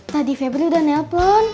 tadi febri udah nelpon